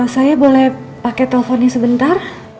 saya boleh pakai teleponnya sebentar